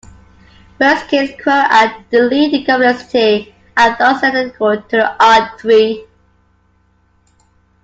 Worst case query and delete complexity are thus identical to the R-Tree.